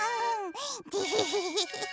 デヘヘヘ。